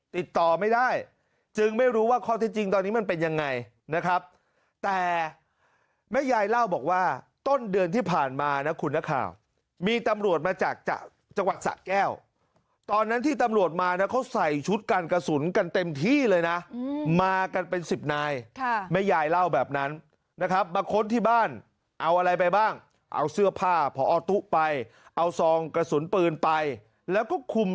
ติดต่อไม่ได้จึงไม่รู้ว่าข้อที่จริงตอนนี้มันเป็นยังไงนะครับ